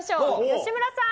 吉村さん。